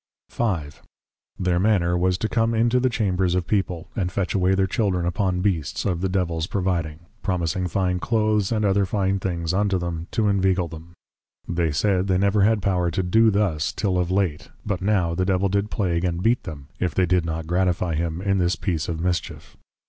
V. Their manner was to come into the \Chambers\ of people, and fetch away their children upon Beasts, of the Devils providing: promising \Fine Cloaths\ and other Fine Things unto them, to inveagle them. They said, they never had power to do thus, till of late; but now the Devil did \Plague\ and \Beat\ them, if they did not gratifie him, in this piece of Mischief.